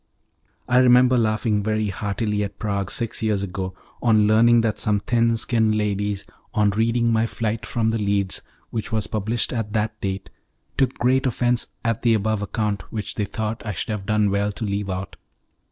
I remember laughing very heartily at Prague six years ago, on learning that some thin skinned ladies, on reading my flight from The Leads, which was published at that date, took great offence at the above account, which they thought I should have done well to leave out.